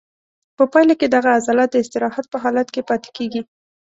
په پایله کې دغه عضله د استراحت په حالت کې پاتې کېږي.